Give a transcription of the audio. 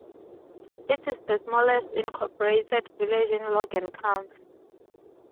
It is the smallest incorporated village in Logan County.